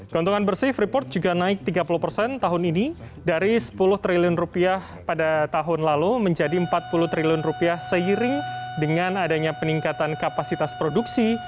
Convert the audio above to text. keuntungan bersih freeport juga naik tiga puluh persen tahun ini dari sepuluh triliun rupiah pada tahun lalu menjadi empat puluh triliun rupiah seiring dengan adanya peningkatan kapasitas produksi